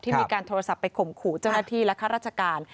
มีการโทรศัพท์ไปข่มขู่เจ้าหน้าที่และข้าราชการ